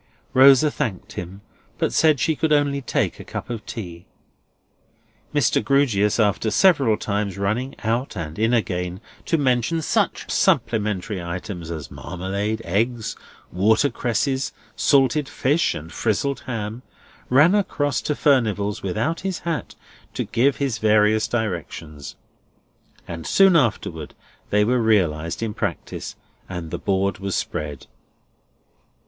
Rosa thanked him, but said she could only take a cup of tea. Mr. Grewgious, after several times running out, and in again, to mention such supplementary items as marmalade, eggs, watercresses, salted fish, and frizzled ham, ran across to Furnival's without his hat, to give his various directions. And soon afterwards they were realised in practice, and the board was spread.